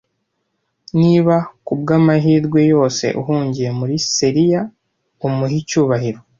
Niba kubwamahirwe yose uhungiye muri Celia, umuhe icyubahiro.